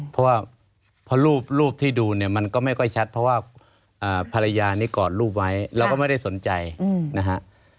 เพราะว่าพอรูปที่ดูเนี่ยมันก็ไม่ค่อยชัดเพราะว่าภรรยานี้กอดรูปไว้เราก็ไม่ได้สนใจนะฮะ